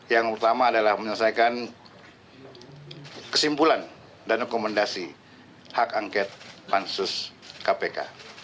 yang pertama adalah menyelesaikan kesimpulan dan rekomendasi hak angket pansus kpk